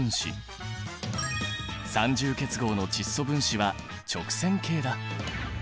三重結合の窒素分子は直線形だ。